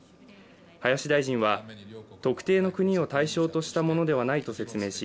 林大臣は特定の国を対象としたものではないと説明し